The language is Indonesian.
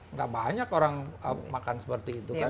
nggak banyak orang makan seperti itu kan